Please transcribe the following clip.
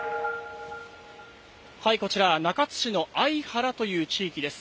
こちら中津市のあいはらという地域です。